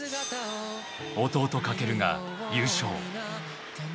弟・翔が優勝。